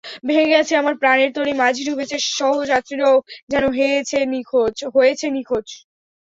ভেঙে গেছে আমার প্রাণের তরী, মাঝি ডুবেছে, সহযাত্রীরাও যেন হয়েছে নিখোঁজ।